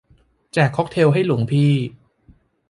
แจกค็อกเทลให้หลวงพี่